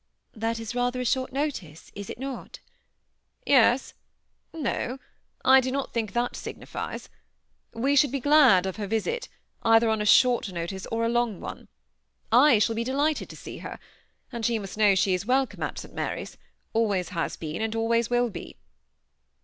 " That is rather a short notice, is it not ?"« Yes — no ; I do not think that signifies. We THE SEMI ATTACHED COUPLE. 78 should be glad of her visit, either on a short notice or a long one. /shall be delighted to see her, and she must know she is welcome at St. Mary's — always has been, and always will be."